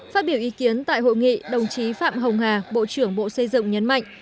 phát biểu ý kiến tại hội nghị đồng chí phạm hồng hà bộ trưởng bộ xây dựng nhấn mạnh